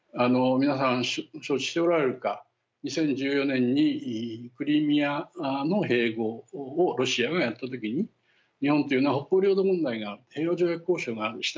皆さん、承知しておられるか２０１４年にクリミアの併合をロシアがやったときに日本というのは北方領土問題が平和条約交渉がある。